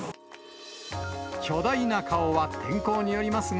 巨大な顔は天候によりますが、